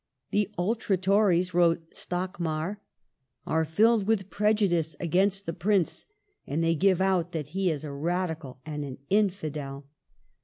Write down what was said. ''The ultra Tories," wrote Stockmar, "are filled with prejudice against the Prince. ... They give out that he is a Radical and an Infidel."